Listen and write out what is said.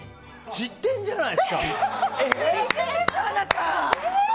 知ってるんじゃないの？